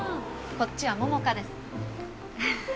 こっちは桃花です。